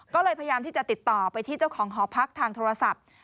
ก็เลยพยายามที่จะติดต่อไปที่เจ้าของหอพักทางโทรศัพท์